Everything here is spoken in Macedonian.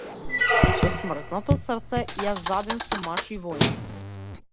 Со смрзнато срце јас заден сум маж и воин.